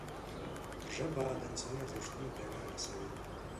ژبه د انساني ارزښتونو پیغام رسوي